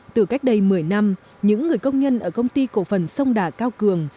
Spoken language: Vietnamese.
từ cách đây một mươi năm những người công nhân ở công ty cổ phần sông đà cao cường